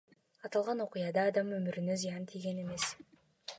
Аталган окуяда адам өмүрүнө зыян тийген эмес.